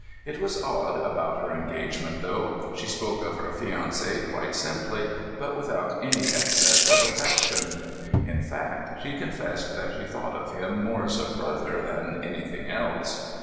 It was odd about her engagement, though. She spoke of her fiancé quite simply, but without any excess of affection. In fact, she confessed that she thought of him more as a brother than anything else.